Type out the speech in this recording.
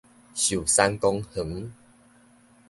壽山公園